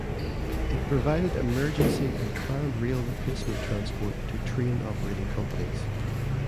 It provided emergency and planned rail replacement transport to train operating companies.